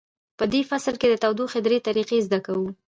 په دې فصل کې د تودوخې درې طریقې زده کوو.